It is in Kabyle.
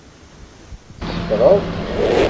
Tsekṛeḍ!